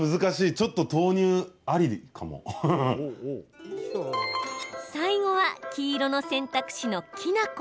ちょっと最後は黄色の選択肢のきな粉。